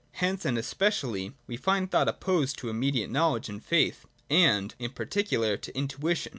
Again, and especially, we find thought opposed to immediate knowledge and faith, and, in particular, to intuition.